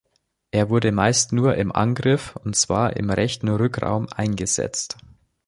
Er wurde meist nur im Angriff, und zwar im rechten Rückraum, eingesetzt.